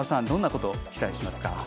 どんなことを期待しますか。